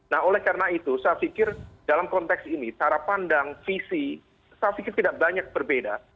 nah oleh karena itu saya pikir dalam konteks ini cara pandang visi saya pikir tidak banyak berbeda